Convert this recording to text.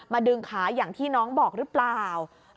ดึงขาอย่างที่น้องบอกหรือเปล่า